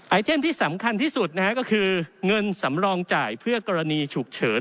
เทนที่สำคัญที่สุดนะฮะก็คือเงินสำรองจ่ายเพื่อกรณีฉุกเฉิน